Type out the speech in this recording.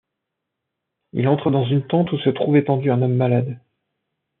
Il entre dans une tente où se trouve étendu un homme malade.